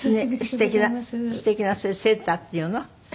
素敵なそれセーターっていうの？